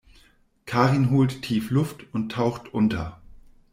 Karin holt tief Luft und taucht unter.